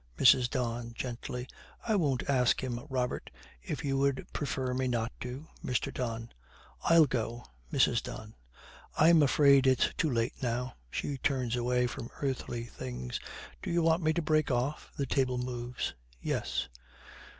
MRS. DON, gently, 'I won't ask him, Robert, if you would prefer me not to.' MR. DON. 'I'll go.' MRS. DON. 'I'm afraid it is too late now.' She turns away from earthly things. 'Do you want me to break off?' The table moves. 'Yes.